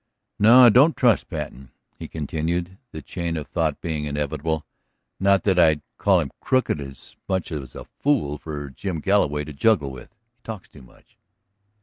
"No, I don't trust Patten," he continued, the chain of thought being inevitable. "Not that I'd call him crooked so much as a fool for Jim Galloway to juggle with. He talks too much."